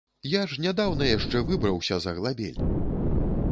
Я ж нядаўна яшчэ выбраўся з аглабель!